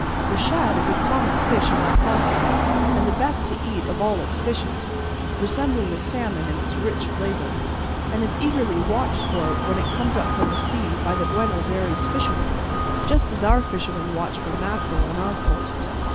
The shad is a common fish in the Plata and the best to eat of all its fishes, resembling the salmon in its rich flavour, and is eagerly watched for when it comes up from the sea by the Buenos Ayres fishermen, just as our fishermen watch for mackerel on our coasts.